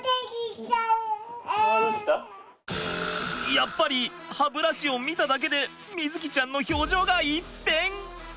やっぱり歯ブラシを見ただけで瑞己ちゃんの表情が一変！